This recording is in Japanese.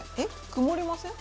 曇りません？